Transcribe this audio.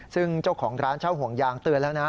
ซึ่งเจ้าของร้านเช่าห่วงยางเตือนแล้วนะ